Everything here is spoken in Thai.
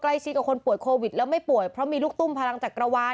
กับคนป่วยโควิดแล้วไม่ป่วยเพราะมีลูกตุ้มพลังจักรวาล